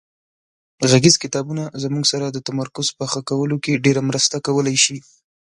غږیز کتابونه زموږ سره د تمرکز په ښه کولو کې ډېره مرسته کولای شي.